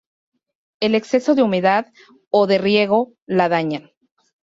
El exceso de humedad o de riego la dañan.